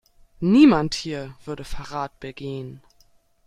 Niemand hier würde Verrat begehen.